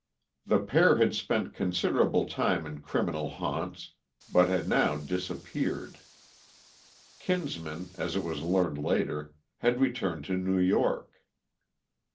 The pair had spent considerable time in criminal haunts, but had now disappeared. Kinsman, as it was learned later, had returned to New York.